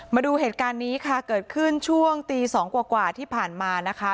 มาดูเหตุการณ์นี้ค่ะเกิดขึ้นช่วงตีสองกว่าที่ผ่านมานะคะ